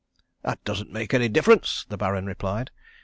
"That doesn't make any difference," the Baron replied.